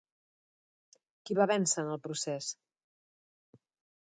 Qui va vèncer en el procés?